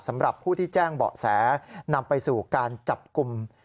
สำหรับผู้ที่แจ้งเบาะแสนำไปสู่การจับกลุ่ม